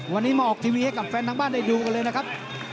วันนี้มาออกทีวีให้กับแฟนทางบ้านได้ดูกันเลยนะครับ